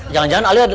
jangan jangan ali ada